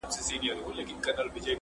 رنګ د جهاني د غزل میو ته لوېدلی دی؛